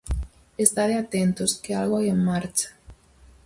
Estade atentos, que algo hai en marcha.